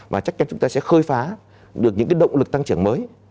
và chắc chắn chúng ta sẽ khơi phá được những động lực tăng trưởng mới